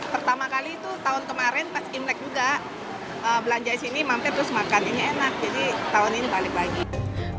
pertama kali itu tahun kemarin pas imlek juga belanja di sini mampir terus makan ini enak jadi tahun ini balik lagi